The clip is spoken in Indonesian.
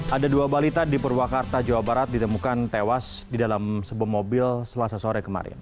ada dua balita di purwakarta jawa barat ditemukan tewas di dalam sebuah mobil selasa sore kemarin